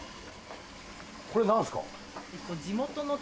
これ何すか？